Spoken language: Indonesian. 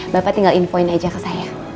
bapak tinggal infoin aja ke saya